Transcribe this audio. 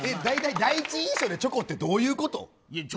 第一印象でチョコってどういうこと？